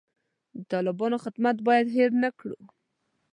د طالبانو خدمت باید هیر نه کړو.